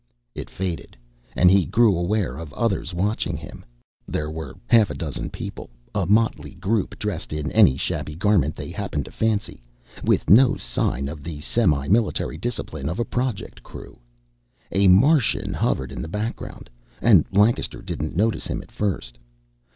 It faded, and he grew aware of others watching him. There were half a dozen people, a motley group dressed in any shabby garment they happened to fancy, with no sign of the semi military discipline of a Project crew. A Martian hovered in the background, and Lancaster didn't notice him at first.